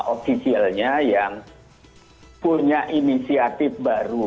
ofisialnya yang punya inisiatif baru